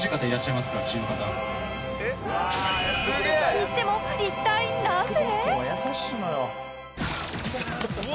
にしても一体なぜ？